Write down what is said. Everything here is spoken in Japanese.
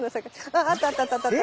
あっあったあったあったあった！